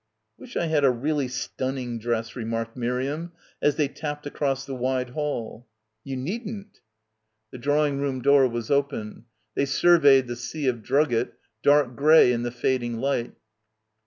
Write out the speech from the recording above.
"I wish I had a really stunning dress," remarked Miriam, as they tapped across the wide hall. "You needn't." The drawing room door was open. They sur veyed the sea of drugget, dark grey in the fading light.